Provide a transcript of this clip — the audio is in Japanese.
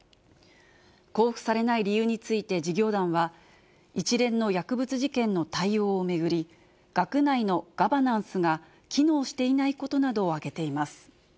交付されない理由について事業団は、一連の薬物事件の対応を巡り、学内のガバナンスが機能していないことなどを挙げています。